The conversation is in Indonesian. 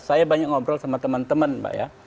saya banyak ngobrol sama teman teman mbak ya